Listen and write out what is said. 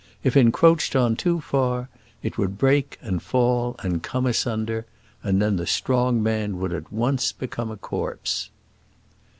If encroached on too far, it would break and fall and come asunder, and then the strong man would at once become a corpse.